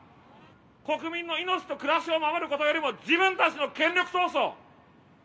国民の命と暮らしを守ることよりも、自分たちの権力闘争。